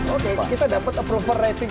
oke kita dapat approval rating